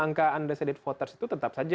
angka undecided voters itu tetap saja